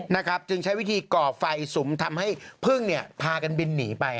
นะครับจึงใช้วิธีก่อไฟสุมทำให้พึ่งเนี่ยพากันบินหนีไป